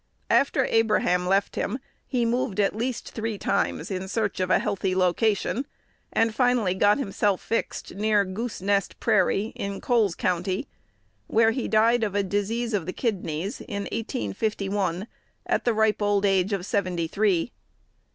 After Abraham left him, he moved at least three times in search of a "healthy" location, and finally got himself fixed near Goose Nest Prairie, in Coles County, where he died of a disease of the kidneys, in 1851, at the ripe old age of seventy three.